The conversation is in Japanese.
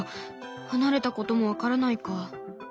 離れたことも分からないか。